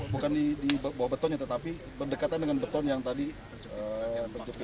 bukan di bawah betonnya tetapi berdekatan dengan beton yang tadi terjepit